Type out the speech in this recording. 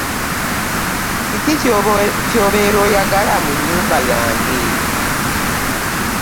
Kiki kyobeera oyagala mu nnyumba yange?